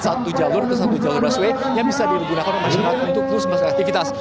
satu jalur atau satu jalur rasway yang bisa digunakan oleh masyarakat untuk lulus masyarakat aktivitas